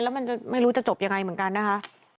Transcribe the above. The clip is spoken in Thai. แล้วมันจะไม่รู้จะจบยังไงเหมือนกันนะคะ